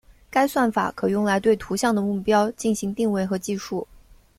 该算法可用来对图像的目标进行定位和计数。